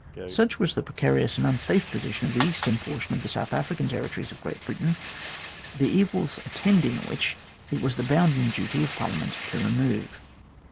Such was the precarious and unsafe position of the eastern portion of the South African territories of Great Britain, the evils attending which it was the bounden duty of Parliament to remove.